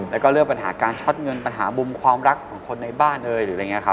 แล้วก็เลือกปัญหาการช็อตเงินปัญหาบุมความรักของคนในบ้านเลย